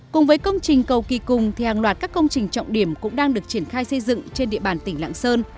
cùng với công trình cầu kỳ cùng hàng loạt các công trình trọng điểm cũng đang được triển khai xây dựng trên địa bàn tỉnh lạng sơn